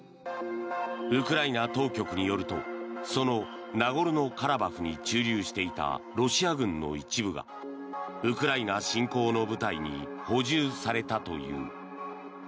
ウクライナ当局によるとそのナゴルノカラバフに駐留していたロシア軍の一部がウクライナ侵攻の部隊に補充されたという。